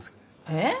えっ！？